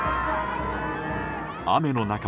雨の中